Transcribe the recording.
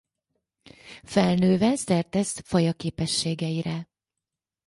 Felnőve szert tesz faja képességeire.